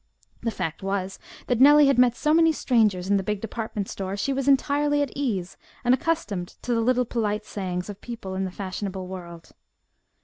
The fact was that Nellie had met so many strangers in the big department store, she was entirely at ease and accustomed to the little polite sayings of people in the fashionable world.